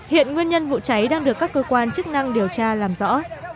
hiện nguyên nhân vụ cháy đang được các cơ quan chức năng điều tra làm rõ